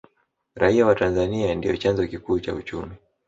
raia wa tanzania ndiyo chanzo kikuu cha uchumi